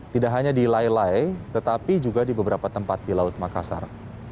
tidak hanya di lailai tetapi juga di beberapa tempat di laut makassar